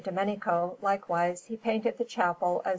Domenico, likewise, he painted the Chapel of S.